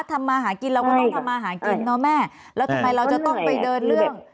ทำมาหากินเราก็ต้องทำมาหากินเนอะแม่แล้วทำไมเราจะต้องไปเดินเรื่อง